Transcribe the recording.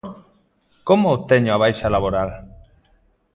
Como obteño a baixa laboral?